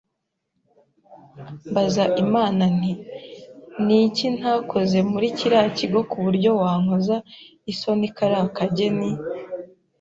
mbaza Imana nti ni iki ntakoze muri kiriya kigo ku buryo wankoza isoni kariya kageni,